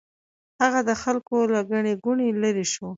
هغه د خلکو له ګڼې ګوڼې لرې شو.